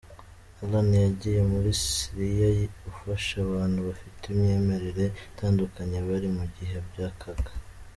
Alan yagiye muri Syria gufasha abantu bafite imyemerere itandukanye bari mu bihe by’akaga.